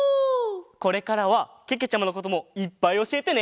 これからはけけちゃまのこともいっぱいおしえてね！